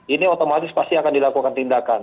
ini otomatis pasti akan dilakukan tindakan